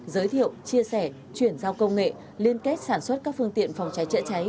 giới thiệu chia sẻ chuyển giao công nghệ liên kết sản xuất các phương tiện phòng cháy chữa cháy